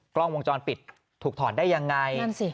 กล้องวงจรปิดถูกถอดได้ยังไง